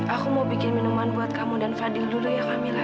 aku mau bikin minuman buat kamu dan fadil dulu ya kak mila